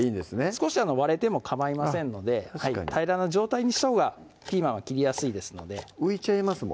少し割れてもかまいませんので平らな状態にしたほうがピーマンは切りやすいですので浮いちゃいます